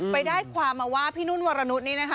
ไปได้ความว่าพี่นนูนวรนุดนี่นะคะ